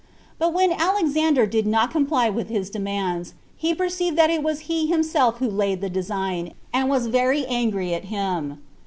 But when Alexander did not comply with his demands, he perceived that it was he himself who laid the design, and was very angry at him.